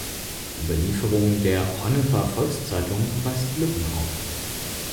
Die Überlieferung der "Honnefer Volkszeitung" weist Lücken auf.